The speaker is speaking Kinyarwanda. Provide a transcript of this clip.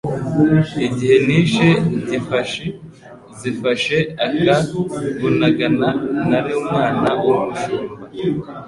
igihe nishe Gifashi zifashe aka Bunagana, nari umwana w'umushumba